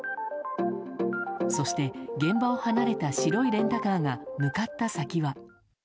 そして、現場を離れた白いレンタカーが向かった先は。